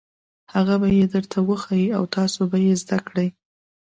هغه به یې درته وښيي او تاسو به یې زده کړئ.